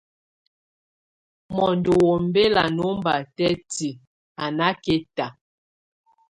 Mondo wombɛla nómbatɛ́ tiek, a nákɛta.